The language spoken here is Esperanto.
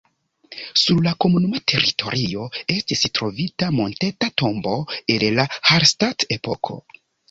Sur la komunuma teritorio estis trovita monteta tombo el la Hallstatt-epoko.